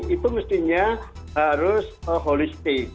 itu mestinya harus holistik